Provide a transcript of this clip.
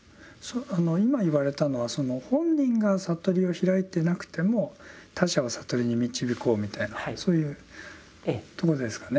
今言われたのはその本人が悟りを開いてなくても他者を悟りに導こうみたいなそういうとこですかね。